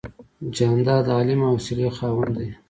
جانداد د حلم او حوصلې خاوند دی.